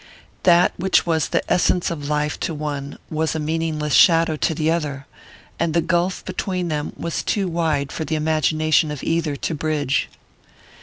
That which was the essence of life to one was a meaningless shadow to the other; and the gulf between them was too wide for the imagination of either to bridge.